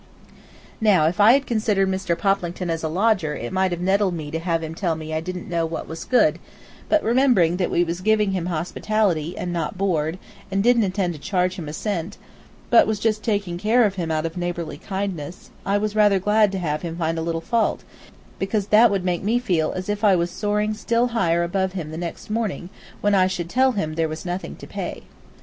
Now, if I had considered Mr. Poplington as a lodger it might have nettled me to have him tell me I didn't know what was good, but remembering that we was giving him hospitality, and not board, and didn't intend to charge him a cent, but was just taking care of him out of neighborly kindness, I was rather glad to have him find a little fault, because that would make me feel as if I was soaring still higher above him the next morning, when I should tell him there was nothing to pay.